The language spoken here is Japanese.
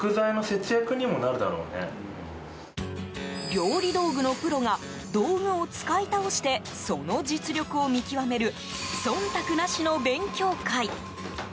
料理道具のプロが道具を使い倒してその実力を見極める忖度なしの勉強会。